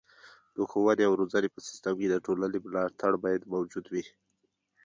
د ښوونې او روزنې په سیستم کې د ټولنې ملاتړ باید موجود وي.